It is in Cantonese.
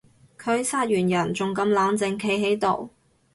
佢殺完人仲咁冷靜企喺度